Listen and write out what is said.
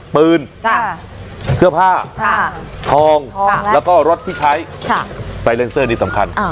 ปืนค่ะเสื้อผ้าค่ะทองค่ะแล้วก็รถที่ใช้ค่ะนี่สำคัญอ่า